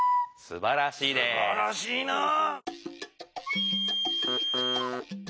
すばらしいなぁ。